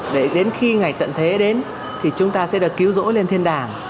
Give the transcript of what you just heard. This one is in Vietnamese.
để đến khi ngày tận thế đến thì chúng ta sẽ được cứu rỗi lên thiên đảng